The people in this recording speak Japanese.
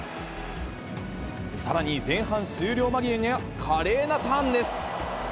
さらに前半終了間際には、華麗なターンです。